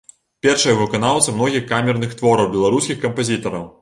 Першая выканаўца многіх камерных твораў беларускіх кампазітараў.